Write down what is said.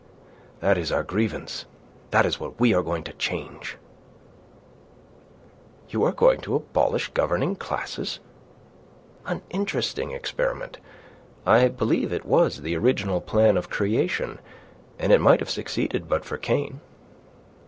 "That is our grievance. That is what we are going to change." "You are going to abolish governing classes? An interesting experiment. I believe it was the original plan of creation, and it might have succeeded but for Cain."